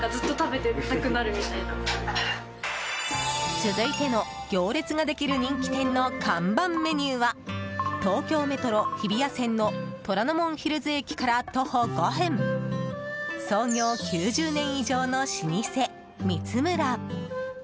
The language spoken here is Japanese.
続いての行列ができる人気店の看板メニューは東京メトロ日比谷線の虎ノ門ヒルズ駅から徒歩５分創業９０年以上の老舗、光村。